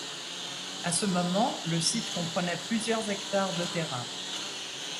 À ce moment, le site comprenait plusieurs hectares de terrain.